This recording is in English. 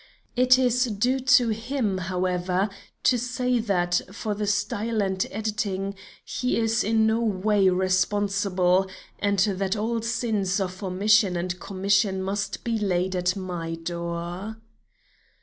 It is due to him, however, to say that for the style and editing he is in no wise responsible, and that all sins of omission and commission must be laid at my door.